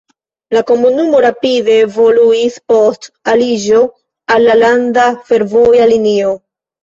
La komunumo rapide evoluis post aliĝo al la landa fervoja linio.